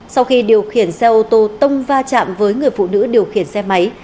sau khi điều khiển xe ô tô tông va chạm với người phụ nữ điều khiển xe máy